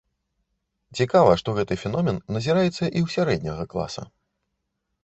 Цікава, што гэты феномен назіраецца і ў сярэдняга класа.